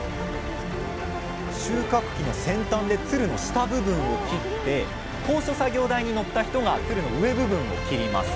収穫機の先端でつるの下部分を切って高所作業台に乗った人がつるの上部分を切ります。